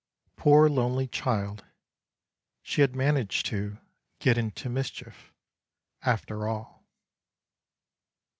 Poor lonely child, she had managed to "get into mischief" after all.